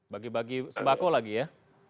bagi bagi sembako lagi ya